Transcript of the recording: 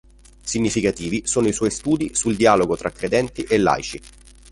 Significativi sono i suoi studi sul dialogo tra credenti e laici.